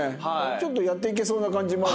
ちょっとやっていけそうな感じもあるもんね。